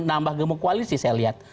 bukan menambah gemuk koalisi saya lihat